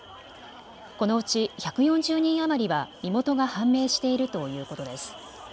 このうち１４０人余りは身元が判明しているということです。